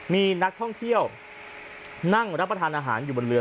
มีนักท่องเที่ยวนั่งรับประทานอาหารอยู่บนเรือ